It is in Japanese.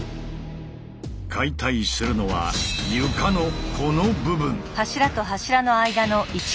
解体するのは床のこの部分。